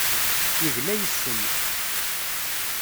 Yegla yes-m.